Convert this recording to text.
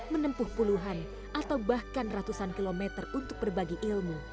menempuh puluhan atau bahkan ratusan kilometer untuk berbagi ilmu